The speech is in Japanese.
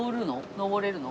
上れるの？